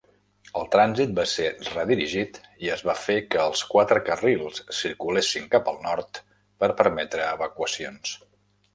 El trànsit va ser redirigit i es va fer que els quatre carrils circulessin cap al nord per permetre evacuacions.